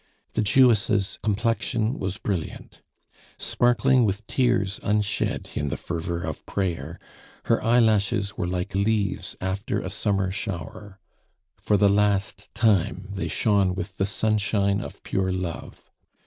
The Jewess' complexion was brilliant. Sparkling with tears unshed in the fervor of prayer, her eyelashes were like leaves after a summer shower, for the last time they shone with the sunshine of pure love.